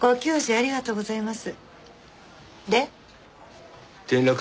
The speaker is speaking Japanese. ありがとうございます。